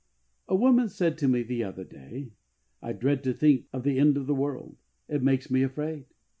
A woman said to me the other day, " I dread to think of the end of the world. It makes me afraid."